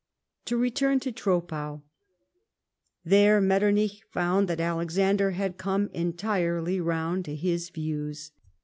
To return to Troppau. There Metternich found that Alexander had come entirely round to his views.